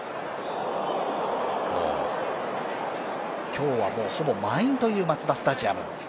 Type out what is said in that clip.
今日は、ほぼ満員というマツダスタジアム。